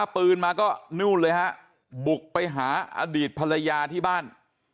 ปืนมาก็นู่นเลยฮะบุกไปหาอดีตภรรยาที่บ้าน